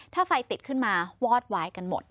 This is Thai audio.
ถ้าไฟติดขึ้นมาวอดวายกันหมด